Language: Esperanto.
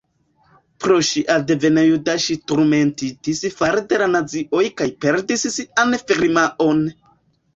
Pro ŝia deveno juda ŝi turmentitis fare de la nazioj kaj perdis sian firmaon.